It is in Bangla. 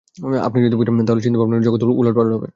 আপনি যদি বোঝেন, তাহলে চিন্তা-ভাবনার জগৎ ওলট-পালট হবে।